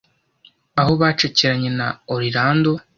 aho bacakiranye na Orlando